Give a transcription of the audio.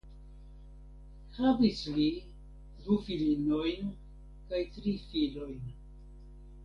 Havis li du filinojn kaj tri filojn.